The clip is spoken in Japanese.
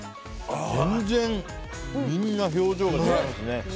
全然みんな表情が違いますね。